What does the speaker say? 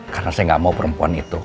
karena saya gak mau perempuan itu